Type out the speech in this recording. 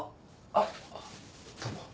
あっどうも。